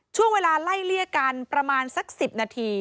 ช่วงเวลาไล่เลี่ยกันประมาณสัก๑๐นาที